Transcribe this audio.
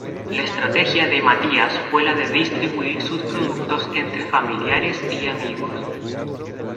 La estrategia de Matías fue la de distribuir sus productos entre familiares y amigos.